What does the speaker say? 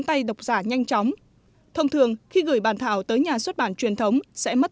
tay đọc giả nhanh chóng thông thường khi gửi bàn thảo tới nhà xuất bản truyền thống sẽ mất